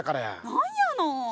何やの？